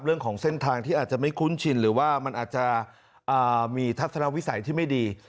เรื่องของเส้นทางที่อาจจะไม่คุ้นชินหรือว่ามันอาจจะมีทัศนวิสัยที่ไม่ดี